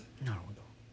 なるほど。